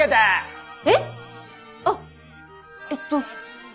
えっ？あっえっと。